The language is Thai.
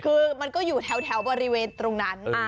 คือมันก็อยู่แถวบริเวณตรงนั้น